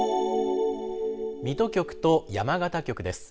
水戸局と山形局です。